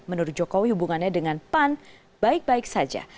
menurut jokowi hubungannya dengan pan baik baik saja